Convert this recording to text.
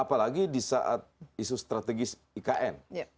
apalagi di saat isu strategis ikn